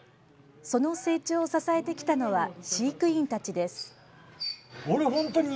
その成長を支えてきたのは飼育員たちです。